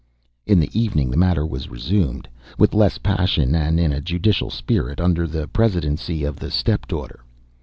In the evening the matter was resumed, with less passion and in a judicial spirit, under the presidency of the step daughter.